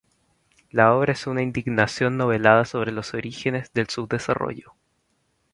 La obra es una indagación novelada sobre los orígenes del subdesarrollo.